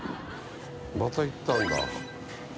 また行ったんだ。